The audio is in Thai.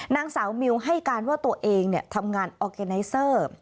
นางสาวมิวให้การว่าตัวเองทำงานออร์แกไนเซอร์